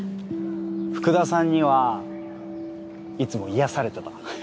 福田さんにはいつも癒やされてた。